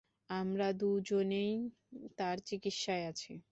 আমরা দুজনেই তার চিকিৎসায় আছি।